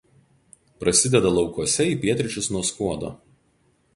Prasideda laukuose į pietryčius nuo Skuodo.